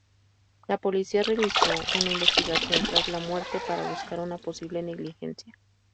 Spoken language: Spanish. La policía realizó una investigación tras de la muerte para buscar una posible negligencia.